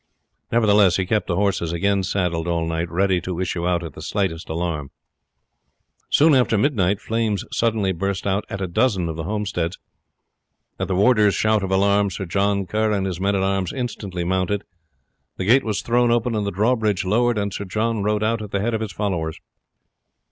Nevertheless, he kept the horses again saddled all night ready to issue out at the slightest alarm. Soon after midnight flames suddenly burst out at a dozen of the homesteads. At the warder's shout of alarm Sir John Kerr and his men at arms instantly mounted. The gate was thrown open and the drawbridge lowered, and Sir John rode out at the head of his following.